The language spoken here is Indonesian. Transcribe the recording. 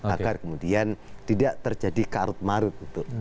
agar kemudian tidak terjadi karut marut